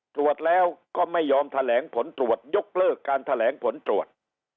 ตรวจแล้วก็ไม่ยอมแถลงผลตรวจยกเลิกการแถลงผลตรวจ